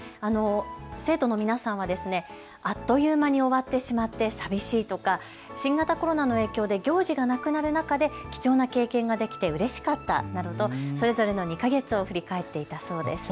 生徒の皆さんはあっという間に終わってしまって寂しいとか、新型コロナの影響で行事がなくなる中で貴重な経験ができてうれしかったなどとそれぞれの２か月を振り返っていたそうです。